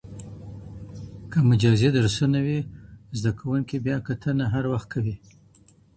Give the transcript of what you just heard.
که مجازي درسونه وي، زده کوونکي بیاکتنه هر وخت کوي.